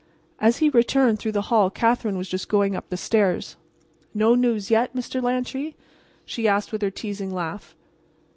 As he returned through the hall Katherine was just going up the stairs. "No news yet, Mr. Lantry?" she asked with her teasing laugh.